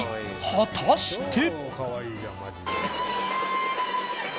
果たして。